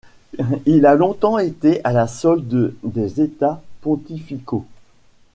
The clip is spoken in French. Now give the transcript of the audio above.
Il a longtemps été à la solde des États pontificaux.